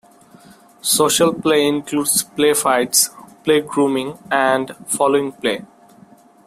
Social play includes play fights, play grooming, and following-play.